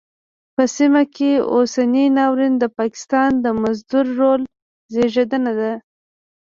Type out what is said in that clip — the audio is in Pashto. په سیمه کې اوسنی ناورین د پاکستان د مزدور رول زېږنده ده.